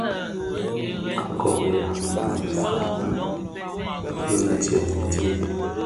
A kôriha më sàbà bi jèm i tsee.